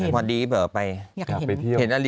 มันคืออะไรกันหรอ